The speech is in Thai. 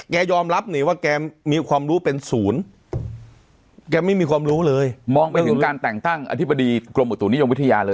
แกยอมรับนี่ว่าแกมีความรู้เป็นศูนย์แกไม่มีความรู้เลยมองไปถึงการแต่งตั้งอธิบดีกรมอุตุนิยมวิทยาเลย